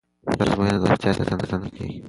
ژر ازموینه د روغتیا ساتنه کوي.